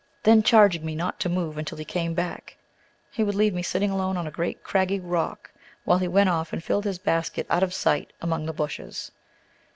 Then, charging me not to move until he came back, he would leave me sitting alone on a great craggy rock, while he went off and filled his basket out of sight among the bushes.